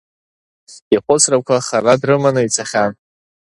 Ихәыцрақәа хара дрыманы ицахьан.